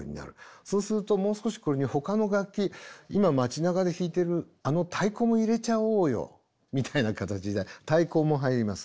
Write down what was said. そうするともう少しこれにほかの楽器今街なかで弾いてるあの太鼓も入れちゃおうよみたいな形で太鼓も入ります。